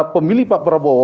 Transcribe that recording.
pemilih pak prabowo